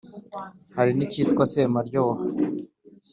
hari n’icyitwa semaryoha,